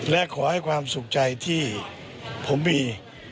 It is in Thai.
และขอให้ความสุขใจที่ผมมี